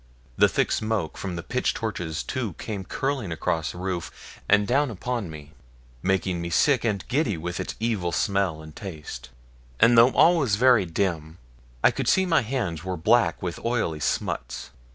The thick smoke from the pitch torches too came curling across the roof and down upon me, making me sick and giddy with its evil smell and taste; and though all was very dim, I could see my hands were black with oily smuts.